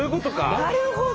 なるほど！